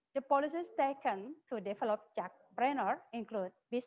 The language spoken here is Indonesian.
jadi jika pendapatan anda lebih dari seratus itu berarti